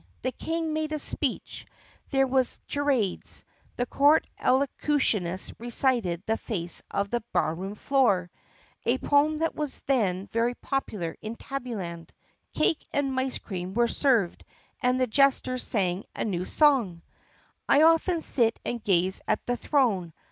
The King made a speech, there were charades, the court elocutionist recited "The Face on the Barroom Floor" (a poem that was then very popular in Tabbyland), cake and mice cream were served, and the jester sang a new song : I often sit and gaze at the throne!